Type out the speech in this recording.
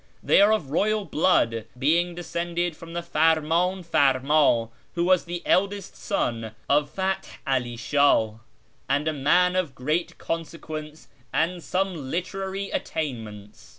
They are of royal blood, being descended from the Farindn farmd, who was the eldest son of Fath 'All Shah, and a man of great consequence and some literary attainments.